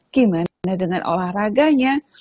gimana dengan olahraganya